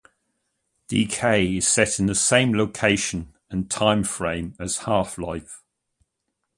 "Decay" is set in the same location and timeframe as "Half-Life".